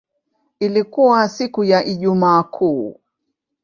Ilikuwa siku ya Ijumaa Kuu.